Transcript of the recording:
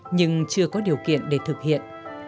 nhưng chưa có điều kiện để đưa ra ý tưởng này